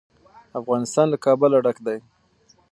افغانستان له کابل ډک دی.